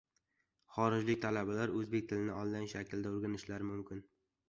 Xorijlik talabalar o‘zbek tilini onlayn shaklida o‘rganishlari mumkin